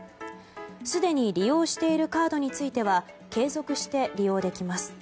すでに利用しているカードについては継続して利用できます。